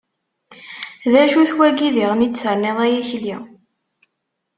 D acu-t wagi diɣen i d-terniḍ ay Akli?